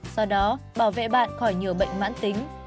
sau đó bảo vệ bạn khỏi nhiều bệnh mãn tính